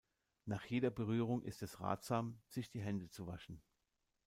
Nach jeder Berührung ist es ratsam, sich die Hände zu waschen.